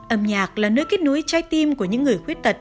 âm nhạc là nơi kết nối trái tim của những người khuyết tật